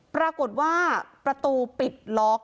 ปรากฏว่าประตูปิดล็อก